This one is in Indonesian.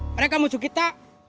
mereka musuh kita